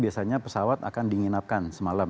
biasanya pesawat akan diinapkan semalam